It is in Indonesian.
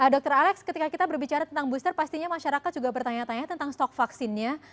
dr alex ketika kita berbicara tentang booster pastinya masyarakat juga bertanya tanya tentang stok vaksinnya